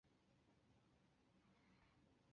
山地人的后裔。